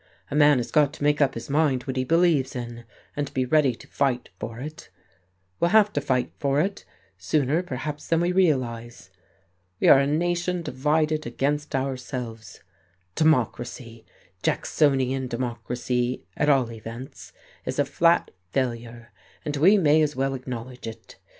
A man has got to make up his mind what he believes in, and be ready to fight for it. We'll have to fight for it, sooner perhaps than we realize. We are a nation divided against ourselves; democracy Jacksonian democracy, at all events, is a flat failure, and we may as well acknowledge it.